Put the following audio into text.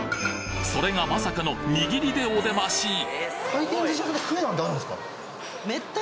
それがまさかの握りでお出まし！